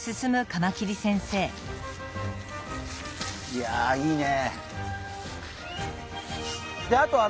いやいいね。